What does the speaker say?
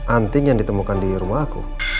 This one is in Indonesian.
anting yang ditemukan di rumah aku